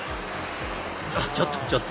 ちょっとちょっと！